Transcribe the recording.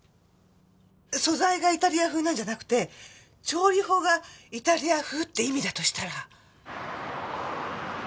素材がイタリア風なんじゃなくて調理法がイタリア風って意味だとしたら。